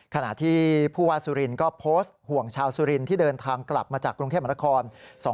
ขณะที่ผู้ว่าสุรินทร์ก็โพสต์ห่วงชาวสุรินที่เดินทางกลับมาจากกรุงเทพมนาคม